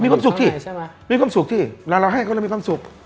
มีความสุขที่มีความสุขที่แล้วเราให้เขาจะมีความสุข